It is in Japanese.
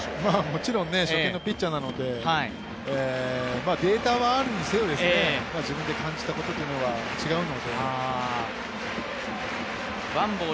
もちろん初めてのピッチャーなので、データはあるにせよ、自分で感じたことというのは違うので。